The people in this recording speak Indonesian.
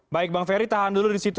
baik bang ferry tahan dulu disitu